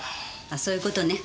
あそういう事ね。